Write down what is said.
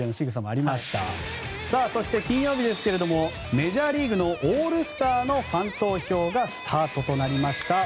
そして、金曜日ですがメジャーリーグのオールスターのファン投票がスタートとなりました。